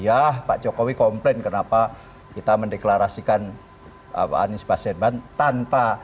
ya pak jokowi komplain kenapa kita mendeklarasikan anis baswedan